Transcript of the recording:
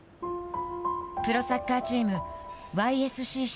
プロサッカーチームＹＳＣＣ